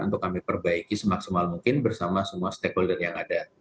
untuk kami perbaiki semaksimal mungkin bersama semua stakeholder yang ada